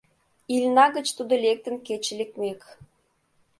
Ильна гыч тудо лектын кече лекмек